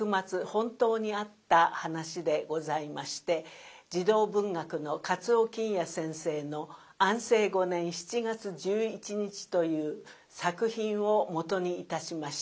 本当にあった話でございまして児童文学のかつおきんや先生の「安政五年七月十一日」という作品を基にいたしました。